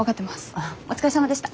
ああお疲れさまでした。